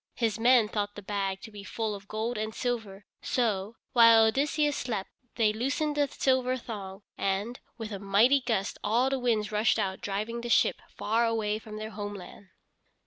His men thought the bag to be full of gold and silver, so, while Odysseus slept they loosened the silver thong, and, with a mighty gust all the winds rushed out driving the ship far away from their homeland.